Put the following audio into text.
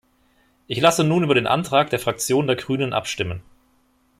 Ich lasse nun über den Antrag der Fraktion der Grünen abstimmen.